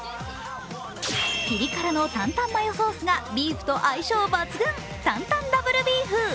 ピリ辛の担々マヨソースがビーフと相性抜群、担々ダブルビーフ。